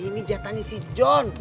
ini jatahnya si john